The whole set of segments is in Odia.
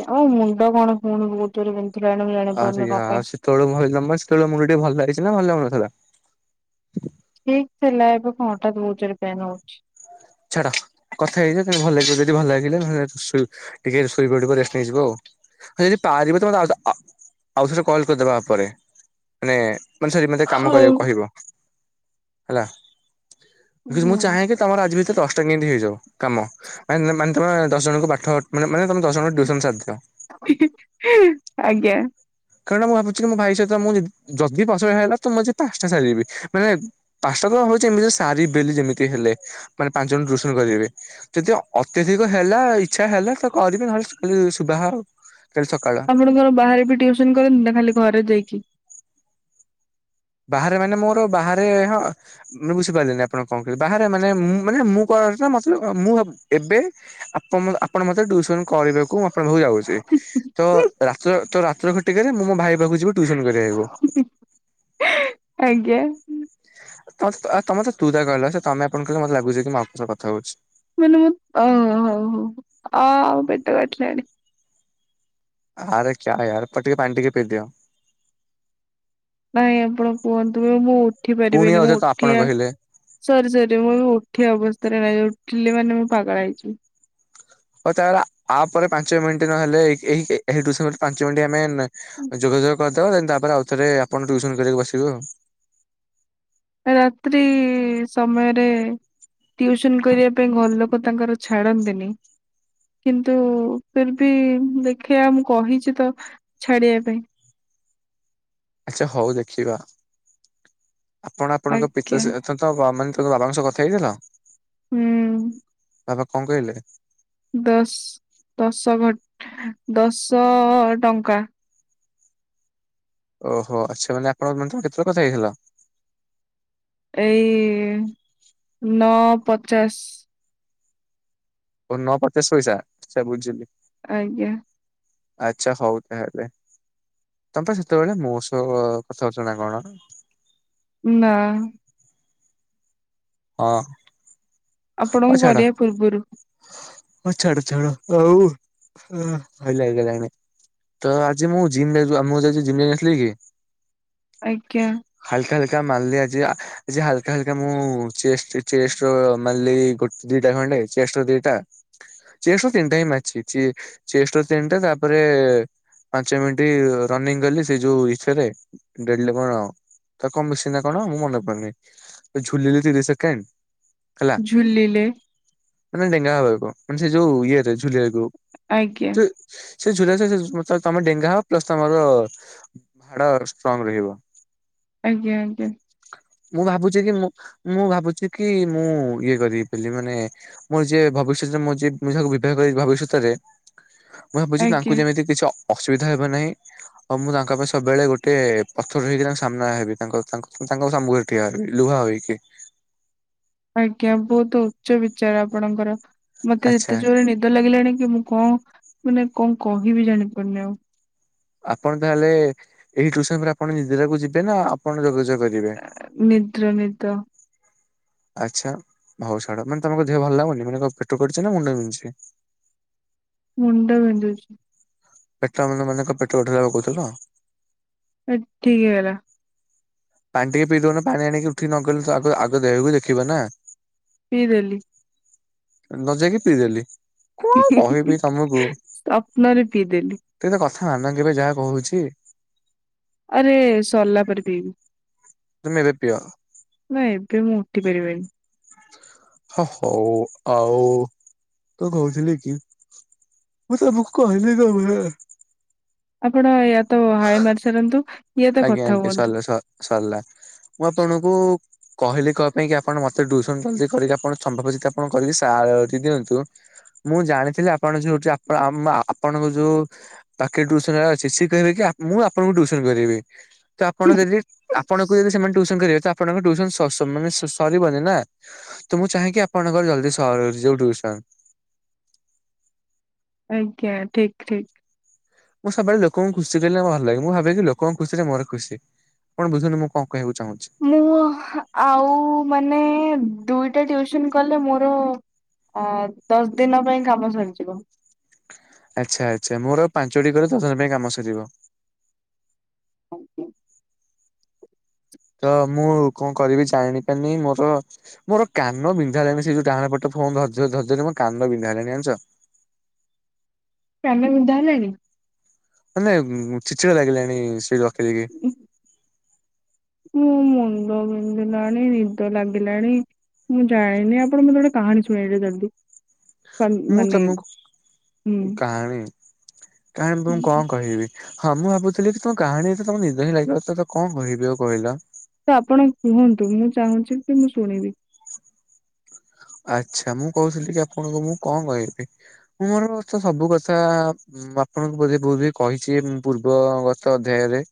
ଆ ଆଉ ମୁଣ୍ଡ କଣ ପୁଣି ବହୁତ ଜୋରେ ବିନ୍ଧୁଲାଣି ଜାଣିପାରୁନି କଣ ପାଇଁ। ତଳୁ ଭାଇ ନମସ୍ ତେବେ ମୋ ଭିଡ଼ିଓ ଭଲ ଲାଗିଚ ନା ଭଲ ଲାଗୁ ନଥିଲା। ଠିକ୍ ଥିଲା, ଏବେ କଣ ହଠାତ୍ ବହୁତ ଜୁର୍ ରେ ପେନ୍ ହଉଛି। ଛାଡ କଥା ହେଇଯାଉ ଯଦି ଭଲ ଲାଗିବ ଯଦି ଭଲ ଲାଗିଲା ତାହେଲେ ଶୁ ଟିକେ ଶୋଇ ପଡିବ ରେଷ୍ଟ ନେଇଇଯିବ ଆଉ। ଯଦି ପାରିବ ତ ମତେ ଆଉ ଥରେ ଆ-ଆଉ ଥରେ କଲ୍ କରିଦବ ଆ ପରେ ମାନେ ମାନେ ସରି ମୋତେ କାମ ହଉ। କରିବାକୁ କହିବ ହେଲା କି ମୁଁ ଚାହେଁ ଯେ ତମର ଆ ଭିତରେ ଦଶଟା କେମିତି ହେଇଯାଉ କାମ, ମାନ ମାନେ ତମେ ଦଶ ଜଣଙ୍କୁ ପାଠ ମାନେ ଦଶ ଜଣଙ୍କୁ ଟୁସନ ସାରି ଦିଅ। ଆଜ୍ଞା। କାରଣ ମୁଁ ଭାବୁଚି କି ମୋ ଭାଇ ସହିତ ମୁଁ ଜ ଯଦି ପାଞ୍ଚହଜାର ହେଲା ତ ମୁଁ ଆଜି ପାଞ୍ଚଟା ସାରିବି। ମାନେ ପାଞ୍ଚଟାତ ଭାବୁଛି ଏମିତି ସାରି ଦେଲି ଯେମିତି ହେଲେ ମାନେ ପାଞ୍ଚ ଜଣକୁ ଟିୟୁସନ କରୀବି। ଯଦି ଅତ୍ୟଧିକ ହେଲା ଇଚ୍ଛା ହେଲା ତ କରିବି ନହଲେ ଶୁଭା ହଉ ନହେଲେ ସକାଳ। ଆପଣ କଣ ବାହାରେ ବି ଟିଉସନ୍ କରନ୍ତି ନା ଖାଲି ଘରେ ଯାଇକି? ବାହାରେ ମାନେ ମୋର ବାହାରେ ହଁ। ମୁଁ ବୁଝିପାରିଲିନି ଆପଣ କଣ କହିଲେ ବାହାରେ ମାନେ ମୁଁ ମାନେ ମୁଁ କଣ ନା ମ ମୁଁ ଏବେ। ଆପଣ ମ ଆପଣ ମତେ ଟୁସନ କରିବାକୁ ମୁଁ ଆପଣ ପାଖକୁ ଯାଉଛି। ତ ରାତ୍ର ରାତ୍ର ଘଟିକାରେ ମୁଁ ମୋ ଭାଇ ପାଖକୁ ଯିବି ଟିଉସନ୍ କରିଆକୁ। ଆଜ୍ଞା। ତ ମ ତ ତମେ ତ ମତେ ତୁ ତାକର କହିଲ ସେ ତମେ ଆପଣ କହିଲେ ମତେ ଲାଗୁଛି କି ମୁଁ ଆଉ କାହା ସହ କଥା ହଉଛି। ମାନେ ମୁଁ ଅଉ ହଉ ହଉ ଆଃ ପେଟ କାଟିଲାଣି। ଆରେ କ୍ୟା ୟାର ପଟିଏ ପାଣି ଟିକେ ପିଦିଅ। ନାଇଁ ଆପଣ କୁହନ୍ତୁ ମୁଁ ଉଠି ପୁଣି ପାରିବିନି ମୁଁ ଆଉଥରେ ତ ଆପଣ ଉଠିଆ କହିଲେ ସରି ସରି ମୁଁ ବି ଉଠିବା ଅବସ୍ଥାରେ ନାହିଁ ଉଠିଲେ ମାନେ ମୁଁ ପାଗଳ ହେଇଯିବି। ଓ ତାହଲେ ଆ ପରେ ପାଞ୍ଚ ମିନିଟ ନ ହେଲେ ପାଞ୍ଚ ମିନି ଆମେ ଯୋଗା ଯୋଗ କରିଦେବ ଦେନ୍ ତାପରେ ଆଉ ଥରେ ଆପଣ ଟ୍ୟୁସନ କରିବାକୁ ବସିବେ ଆଉ। ରାତ୍ରି ସମୟରେ ଟିଉସନ କରିବା ପାଇଁ ଘରଲୋକ ତାଙ୍କର ଛାଡନ୍ତିନି। କିନ୍ତୁ ଫିର୍ବି ଦେଖିଆ ମୁଁ କହିଛି ତ ଛାଡିବା ପାଇଁ। ଆଚ୍ଛା ହଉ ଦେଖିବା ଆପଣ ଆପଣଙ୍କ ପିତା ଆଜ୍ଞା ସ ତ ତ ଆମେ ମାନେ ତମ ବାବାଙ୍କ ସହ କଥା ହେଇଥିଲ? ହୁଁ। ବାବା କଣ କହିଲେ? ଦଶ ଦଶ ଘଟ ଦଶ ଅ ଟଙ୍କା। ଓହୋ ଆଚ୍ଛା ମାନେ ଆପଣଙ୍କ ମାନେ ତମେ କେତେବେଳେ କଥା ହେଇଥିଲ? ଏଇ ନଅ ପଚାଶ। ଓ ନୂଆ ପଚାଶ ପଇସା ସେ ବୁଝିବି। ଆଜ୍ଞା। ଆଚ୍ଛା ହଉ ତାହେଲେ। ତମେପା ସେତେବେଳେ ମୋ ସହ କଥା ହଉଥିଲ ନାକଣ? ନା। ହଁ। ଆପଣଙ୍କୁ ଛାଡ। କରିବା ପୂର୍ବରୁ। ହଉ ଛାଡ ଛାଡ ହଉ ହାଇ ଲାଗିଗଲାଣି। ତ ଆଜି ମୁଁ ଜିମ ଯାଇଥିଲ ଜିମ୍ ଯାଇନଥିଲି କି? ଆଜ୍ଞା। ହାଲକା ହାଲକା ମାରିଲି ଆଜି ଆଜି ହାଲକା ହାଲକା ମୁଁ ଚେଷ୍ଟ ଚେଷ୍ଟ ର ମାଲି ଗୋଟେ ଦିଟା ଖଣ୍ଡେ ଚେଷ୍ଟ ର ଦିଟା। ଚେଷ୍ଟ ର ତିନିଟା ହିଁ ମାରିଛି। ଚେ ଚେଷ୍ଟ ର ତିନିଟା ତାପରେ ପାଞ୍ଚ ମିନିଟ୍ ରନିଂ କଲି ସେ ଯୋଉ ଏଥେରେ ଡେଲ କଣ ତ କଣ ମେସିନ ନା କଣ? ମୁଁ ମନେ ପଡୁନି ଝୁଲିଲି ତିରଶ ସେକଣ୍ଡ। ଝୁଲିଲେ। ମାନେ ଡେଙ୍ଗା ହବାକୁ ମାନେ ସେ ଯୋଉ ଇଏରେ ଝୁଲିଆକୁ। ଆଜ୍ଞା ସେ ଝୁଲା ସେ ତମର ଡେଙ୍ଗା ହବ ପ୍ଲସ ତମର ହାଡ ଷ୍ଟ୍ରଙ୍ଗ ରହିବ। ଆଜ୍ଞା ଆଜ୍ଞା। ମୁଁ ଭାବୁଛି କି ମୁଁ ମୁଁ ଭାବୁଛି କି ମୁଁ ଇଏ କରିିବି ବୋଲି ମାନେ ମୁଁ ଯିଏ ଭବିଷ୍ୟତରେ ମୁଁ ଯିଏ ମୁଁ ଯାହାକୁ ବିବାହ କରିବି ଭବିଷ୍ୟତରେ ମୁଁ ଭାବୁଛି ଆଜ୍ଞା ତାଙ୍କୁ ଯେମିତି କିଛି ଅସୁବିଧା ହେବ ନାହିଁ। ଆଉ ମୁଁ ତାଙ୍କ ପାଇଁ ସବୁବେଳେ ଗୋଟେ ପଥର ହେଇକି ତାଙ୍କ ସାମ୍ନା ହେବି ତାଙ୍କ ତାଙ୍କ ସମୁଖରେ। [inaudible] ଆଜ୍ଞା ବହୁତୁ ଉଚ୍ଚ ବିଚାର ଆପଣଙ୍କର, ମତେ ଆଚ୍ଛା ଏତେ ଯୋରେ ନିଦ ଲାଗିଲାଣି କି ମୁଁ ମାନେ ଙ୍କ କହିବି ଜାଣିପାରୁନି ଆଉ। ଆପଣ ତା'ହେଲେ, ଏଇ ଟୁଇସନ୍ ପରେ ଆପଣ ଯିବେ ନା ଆପଣ ଯୋଗାଯୋଗ କରିବେ? [inaudible] ଆଚ୍ଛା, ହଉ ଛାଡ଼ ମାନେ ଦେହ ଭଲ୍‌ ଲାଗୁନି? ମାନେ କ'ଣ ପେଟ କଟୁଚି ନା ମୁଣ୍ଡ ବି--ଛି? ମୁଣ୍ଡ ବିନ୍ଦୁଚି। [inaudible] [inaudible] ପାଣି ଟିକେ ପିଇ ଦଉନ, ପାଣି ଆଣିକି ଉଠି ନଗଲେ---------ଆଗ ଦେହକୁ ଦେଖିବ ନା। ପିଇଦେଲି। ନ ଯାଇକି ପିଇ ଦେଲି। ସପ୍ନରେ ପିଇଦେଲି। [inaudible] ଆରେ ସର୍ଲା ପରେ ପିଇବି। [inaudible] ନା ଏବେ ମୁଁ ଉ ପାରିବି। ହ ହଉ ଆଉ କହୁଥିଲି କି [inaudible] ଆପଣ ୟାତ ହାଏ ମାରି ସାରନ୍ତୁ, ତ କଥା ହୁଅନ୍ତୁ। ସର୍ଲା, ମୁଁ ଆପଣକୁ [unintelligible] ମୁଁ ଜାଣିଥିଲି ଆପଣ ଯଉଠି---------ଆପଣ ଯଉ ପାଖେରେ ସନ୍‌ ଜାଗା ଅଛି, ସିଏ କହିବେ କି ମୁଁ ଆପଣଙ୍କୁ ଟୁଇସନ୍‌ କରିବି। [inaudible] ତ ମୁଁ ଚାହେଁ କି ଆପଣଙ୍କର ଜଲ୍ଦି ସ---ରିଯାଉ ଟୁଇସନ୍। ଆଜ୍ଞା, ଠିକ୍ ଠିକ୍। ମୁଁ ସ ଲୋକଙ୍କୁ ଖୁସି କରିଲେ ଭଲ୍‌ ଲାଗେ, ମୁଁ ଭାବେକି ଲୋକଙ୍କ ଖୁସିରେ ମୋର ଖୁସି। [inaudible] ମୁଁ ଆଉ ମାନେ ଦୁଇଟା ଟିଉସନ୍‌ କଲେ ମୋର ଦଶ୍ ଦିନ ପାଇଁ, କାମ ସରିଯିବ। ଆଚ୍ଛା ଆଚ୍ଛା, ମୋର ଆଉ ପାଞ୍ଚଟି କାମ ସରିବ। ଆଜ୍ଞ [inaudible] ତ ମୁଁ କଣ କରିବି ଜାଣି ମୋର [unintelligible] କାନ ବିନ୍ଧା ହେଲାଣି। ମାନେ ଚିଚିଡ଼ା ଲାଗିଲାଣି, ସେଇଠି ରଖି ଦେଇକି। ମୁଣ୍ଡ ବିନ୍ଧିଲାଣି ନିଦ ଲାଗିଲାଣି। ମୁଁ ଯା--ନି, ଆପଣ ମତେ ଗୋଟେ କହାଣୀ ଶୁଣେଇ ଜଲ୍ଦି। ମୁଁ [inaudible] ତମକୁ କାହାଣୀ ତମକୁ କ'ଣ କହିବି। [inaudible] ଆପଣ କୁହନ୍ତୁ, ମୁଁ ଚାହୁଁଚି କି ମୁଁ ଶୁଣିବି। ଆଚ୍ଛା ମୁଁ କହୁଥିଲି କି ଆପଣଙ୍କୁ ମୁଁ କଣ କ--ବି, ମୋର ତ ସବୁ କଥା ମୁଁ ଆପଣଙ୍କୁ ବୋଧେ କହିଛି ପୂର୍ବଗତ ଅଧ୍ୟାୟରେ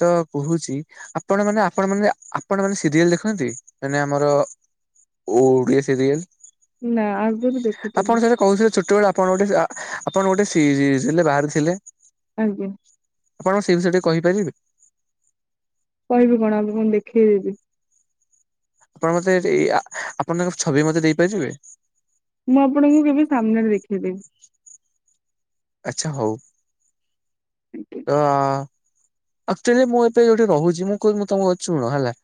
ତ କହୁଚି। ଆପଣ ମାନେ ଆପଣ ମାନେ ଆପଣ ମାନେ ସିରିଏଲ୍‌ ଦେଖନ୍ତି ମାନେ ଆମର [inaudible] ନା ଆଗରୁ ଦେଖୁଥିଲି। ଆପଣ ଗୋଟେ ଆପଣ ଗୋଟେ ସିରିଏଲ୍ ରେ ବାହାରୁ ଥିଲେ। [inaudible] ଆପଣ ସେଇ ବିଷୟ ଟିକେ କହିପାରିବେ? କହିବି କଣ ଆ ମୁଣ ଦେଖେଇଦେବି। ଆପଣ ମତେ, ଆପଣଙ୍କ ଛବି ମତେ ଦେଇପାରିବେ ମୁଁ ଆପଣଙ୍କୁ କେବେ ସାମ୍ନାରେ ଦେଖେଇଦେବି। ଆଛା ହଉ। ଆଜ୍ଞା। ତ ଆକ୍ଚୁଆଲି ମୁଁ ଏବେ ଯୋଉଠି ରହୁଛି, ମୁଁ କ ତମ ଚୁଣ ହେଲା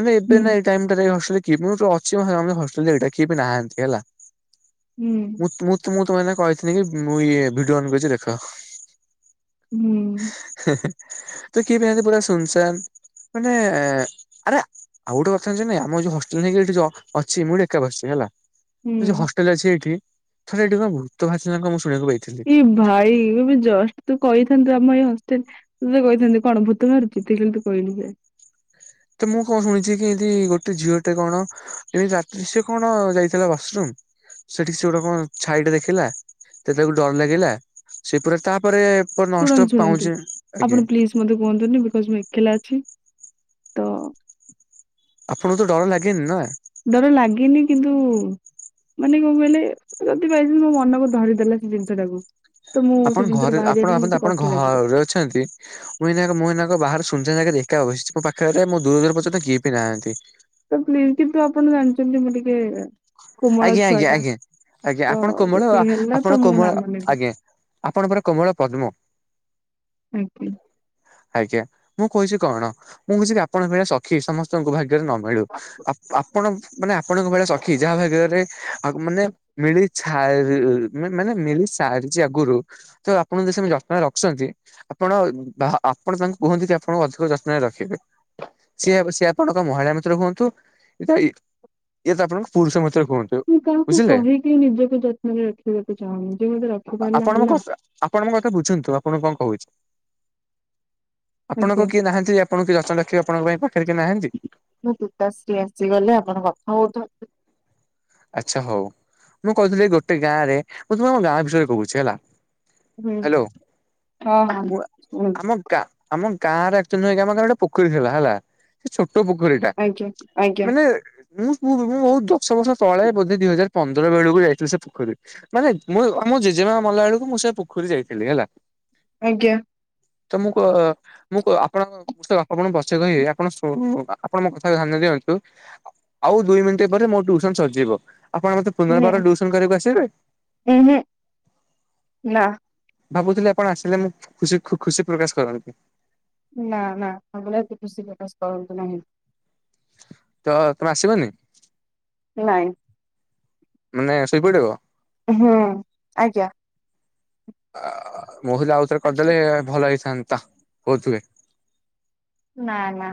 ମାନେ ହୁଁ ଏବେ ନା ଟାଇମ ଟା ହଁ ଅଛି ହଟା କି ବି ନାହାନ୍ତି ହେଲା। ହୁଁ ଉଁ ମୁ ମୁଁ ମୁଁ ତମେ କହିଥିଲି କି ମୁଁ ଇ ଭିଡିଓ ଅନକରୁଛି ଦେଖ। ହୁଁ ତୁ କି [unintelligible] ପୁରା ଶୁନସାନ୍ ମାନେ, ଆରେ ଆଉ ଗୋଟେ କଥା ନାଇ ଆମ ଯୋଉ ହଷ୍ଟେଲ ନେଇକ ଏଠି ଅଛି ମୁଁ ଏକାସିଛି ହେଲା। ସେ ଯୋଉ ହୁଁ। ହଷ୍ଟେଲ ଅଛି ଏଠିଥର ଏଠି କଣ ଭୂତ ଭାଷଥିଲାା ମୁଁ ଶୁଣିବାକୁ ପାଇଥିଲି। ଏ ଭାଇ, ଏବେ ଜଷ୍ଟ ତୁ କହିଥାନ୍ତୁ ଆମ ଏଇ ହଷ୍ଟେଲ ତତ କହିଥାଛନ୍ତି କଣ ଭୂତ ମାରୁଚିତି କଲି ତୁ କହିଲି ଯେ ତ ମୁଁ କଣ ଶୁଣିଛି କି ଏମତି ଗୋଟେ ଝିଅଟେ କଣ? ଏମିତି ରାତ୍ରୀ ସେ କଣ ଯାଇଥିଲା ବାସରୁମ୍। ସେଠିକ ସେ ଗୋଟେ କଣ ଛାଇଟେ ଦେଖିଲା, ସେ ତାକୁ ଡର ଲାଗିଲା, ସେପ ତାପରେ ଉପ ନଷ୍ଟ ଶୁଣନ୍ତୁ ଶୁଣନ୍ତୁ ପାଉଛେ, ଆପଣ ଆଜ୍ଞା। ପ୍ଲିଜ ମତେ କୁହନ୍ତୁନି ବିକଜ ମୁଁ ଏକଲା ଅଛି ତ ଆପଣଙ୍କୁ ତ ଡର ଲାଗେନି ନା? ଡର ଲାଗେନି କିନ୍ତୁ ମାନେ କଣ କହିଲେ ଯଦି ପାଇ ମୋ ମନକୁ ଧରିଦେଲା ସେ ଜିନିଷ ଟାକୁ ଆପଣ ଘରେ, ଆପଣ ଆପଣ ଲାଗିବ ଘରେ ଅଛନ୍ତି? ମୁଁ ଏନା ମୁଁନାଙ୍କ ବାହାରୁ ସୁନନ୍ଦ ଯା ଦେଖା ବସିଛି ମୋ ପାଖରେ ମୁଁ ଦୂର ଦୂର ପର୍ଯ୍ୟନ୍ତ କିଏ ବି ନାହାନ୍ତି ତ ପ୍ଲିଜ କିନ୍ତୁ ଆପଣ ଜାଣିଛନ୍ତି ମୁଁ ଟିକେ କୋମଳ ଆଜ୍ଞା ଛୁଆ ଆଜ୍ଞା ଟା ଆଜ୍ଞା ଆଜ୍ଞା ତ ଆପଣ କୋମଳ ଯଦି ହେଲା ଆପଣ ତ ମୁଁ କୋମଳ ନାମ ନେବି ଆଜ୍ଞା ଆପଣ ପୁରା କୋମଳ ପଦ୍ମ। ଆଜ୍ଞା। ଆଜ୍ଞା ମୁଁ କହୁଛି କଣ? ମୁଁ କହୁଛି କି ଆପଣଙ୍କ ଭଳିଆ ସଖି ସମସ୍ତଙ୍କୁ ଭାଗ୍ୟରେ ନ ମିଳୁ, ଆପଣ ମାନେ ଆପଣଙ୍କ ଭେଆ ସଖି ଯାହା ଭାଗରେ ଆ ମାନେ ମିଳି ସାରି, ମାନେ ମିଳି ସାରିଛି ଆଗରୁ ତ ଆପଣ ଯଦି ସେ ଯତ୍ନରେ ରଖିୁଛନ୍ତି। ଆପଣ ବା ଆପଣ ତାଙ୍କୁ କୁହନ୍ତି ଆପଣଙ୍କୁ ଅଧିକ ଯତ୍ନରେ ରଖିବେ। ସିଏ ସେି ଆପଣଙ୍କ ମହିଳା ମିତ୍ର ହୁଅନ୍ତୁ, ଏଟ ଇଏ ତ ଆପଣ ପୁରୁଷ ମିତ୍ର କୁହନ୍ତି। ମୁଁ କାହାକୁ କହିକି ନିଜକୁ ଯତ୍ନରେ ରଖିବାକୁ ଚାହୁଁନି ଯେ ମତେ ରଖିପାରିଲା ହେଲା। ଆପଣଙ୍କ କଥା ବୁଝନ୍ତୁ ଆପଣଙ୍କୁ କଣ କହୁଛି? ଆଜ୍ଞା। ଆପଣଙ୍କ କିଏ ନାହାନ୍ତି? ଆପଣ କିଛି ରଚଣ ଲଖୀ ଆପଣଙ୍କ ପାଖରେ କି ନାହାନ୍ତି। ମୁଁ ପିତାଶ୍ରୀ ଆସିଗଲେ, ଆପଣ କଥା ହୁଉନ୍ତୁ? ଆଛା ହଉ, ମୁଁ କହୁଥିଲି ଗୋଟେ ଗାଁରେ, ମୁଁ ତୁମେମ ଗାଁ ବିଷୟରେ କହୁଛି ହେଲା ହୁଁ ହାଲୋ ହଁ ହଁ ମୁଁ ଶୁଣନ୍ତୁ ଆମ ଆମ ଗାଁରେ ଆ ନୁହଁ କି ଆମ ଘର ଗୋଟେ ପୋଖରୀ ଥିଲା, ହେଲା। ସେ ଛୋଟ ପୋଖରୀଟା, ଆଜ୍ଞା ଆଜ୍ଞା ମାନେ ମୁଁ ପୁର୍ବୁରୁ ଦଶ ବର୍ଷ ତଳେ ବୋଧେ ଦିଇ ହଜାର ପନ୍ଦର ବେଳକୁ ଯାଇଥିଲୁ ସେ ପୋଖରୀ ମାନେ ମୁଁ ଆମ ଜେଜେମା ମଲା ବେଳକୁ ମୁଁ ସେ ପୋଖରୀ ଯାଇଥିଲି ହେଲା। ଆଜ୍ଞା। ତ ମୁଁ କ ମୁଁ କ ଆପଣଙ୍କ [unintelligible] ବଛେ କହିବି ଆପଣ ଶୁ ଆପଣ ମୋ କଥାକୁ ଧ୍ୟାନ ଦିଅନ୍ତୁ। ଆଉ ଦୁଇ ମିନିଟ ପରେ ମୋ ଟ୍ୟୁସନ ସରିଜିବ। ଆପଣ ମତେ ନେ ପୂର୍ଣ୍ଣବାର ଟିଉସନ କରିବାକୁ ଆସିବେ? ଉହୁଁ ନା ଭାବୁଥିଲି ଆପଣ ଆସିଲେ ମୁଁ ଖୁସି ଖୁସି ପ୍ରକାଶ କରନ୍ତି। ନା ନା ଆପଣ ଆଉ କରନ୍ତୁ ନାହିଁ। ତ ତମେ ଆସିବନି? ନାଇଁ। ମାନେ ଶୋଇପଡିବ? ହଁ-ଅ-ଅ ଆଜ୍ଞା। ଆ-ଆ-ଆ-ଆ ମୁ ହେଲେ ଆଉ ଥରେ କରିଦେଲେ-ଏ-ଏ ଭଲ ହେଇଥାନ୍ତା କହୁଥିଲେ। ନା ନା।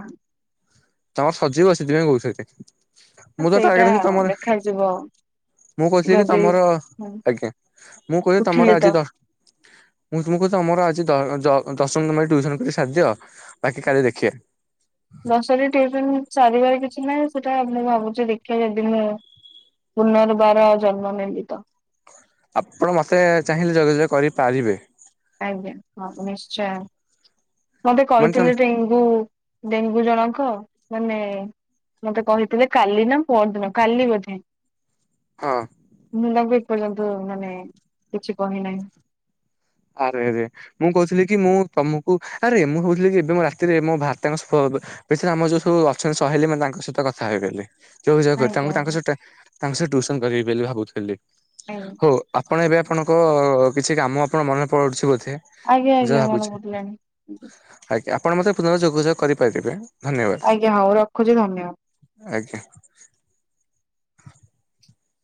ତମର ସରଜିବ ସେଥିପାଇଁ କହୁଛନ୍ତି। ମୁଁ ତ ସେଇଟା ଟାର୍ଗେଟ ରଖିଛି ତମର ଦେଖାଯିବ ମୁଁ କହୁଥିଲି କି ଯଦି ତମର, ହୁଁ ଆଜ୍ଞା ମୁଁ କହିଲି ଉଠିଲି ତମର ତ ଆଜି ଦ ମୁଁ ତୁମକୁ କହୁଛି ତମର ଆଜି ଦ-ଦ ଦଶମିନ ଟ୍ୟୁସନ କରିିକ ସରିଦିଅ। ବାକି କାଲି ଦେଖିବା। ଦଶରେ ଟିଉସନ ସାରିବାର କିଛି ନାହିଁ ସେଟା ମୁଁ ଭାବୁଛି ଦେଖିବା ଯଦି ମୁଁ ପୁନର୍ବାର ଆ ଜନ୍ମ ନେବିତ। ଆପଣ ମୋତେ ଚାହିଁଲେ ଯୋଗାଯୋଗ କରିପାରିବେ। ଆଜ୍ଞା ହଁ, ନିଶ୍ଚୟ ମତେ ମାନେ ତମେ କହିଥିଲି ତି ହୁଁ-ଉ-ଉ-ଉ ଡେଙ୍ଗୁ ଜଣକ ମାନେ-ଏ-ଏ-ଏ ମତେ କହିଥିଲେ କାଲି ନା ପର ଦିନ, କାଲି ବୋଧେ ହଁ, ମୁଁ ତାଙ୍କୁ ଏପର୍ଯ୍ୟନ୍ତ ମାନେ କିଛି କହି ନାହିଁ। ଆରେ ଆରେ। ମୁଁ କହୁଥିଲି କି ମୁଁ ତମକୁ, ଆରେ ମୁଁ କହୁଥିଲି ଏବେ ମ ରାତିରେ ମୋ ଭାରତାଙ୍କ ସ ଏଥିରେ ଆମ ଯୋଉ ସବୁ ଅଛନ୍ତି ସହେଲୀ ମାନେ ତାଙ୍କ ସହିତ କଥା ହେବେ ବୋଲି। ଯୋଗା ଯୋଗ କରି ଆଜ୍ଞା ଆଜ୍ଞା ତାଙ୍କୁ ତାଙ୍କ ସରଟା ତାଙ୍କ ସହ ଟ୍ୟୁସନ କରିବି ବୋଲି ଭାବୁଥିଲି। ହଉ ଆ ଆପଣ ଏବେ ଆପଣଙ୍କ-ଅ-ଅ-ଅ କିଛି କାମ ଆପଣଙ୍କ ମନେ ପଡ଼ୁଛି ବୋଧେ। ଆଜ୍ଞା ମୁଁ ଯାହା ଆଜ୍ଞା ମନ ଭାବୁଛି। ପଡ଼ିଲାଣି। ଆଜ୍ଞା ଆପଣ ମତେ ପୁନଃ ଯୋଗାଯୋଗ କରିପାରିବେ। ଧନ୍ୟବାଦ ଆଜ୍ଞା ହଉ ରଖୁଛି ଧନ୍ୟବାଦ। ଆଜ୍ଞା। [inaudible]